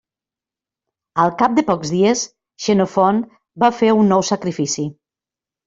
Al cap de pocs dies, Xenofont va fer un nou sacrifici.